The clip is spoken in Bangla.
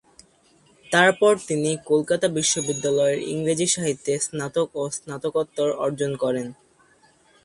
তারপরে তিনি কলকাতা বিশ্ববিদ্যালয়ের ইংরেজি সাহিত্যে স্নাতক ও স্নাতকোত্তর অর্জন করেন।